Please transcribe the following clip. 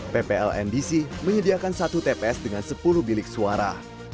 ppln dc menyediakan satu tps dengan sepuluh bilik suara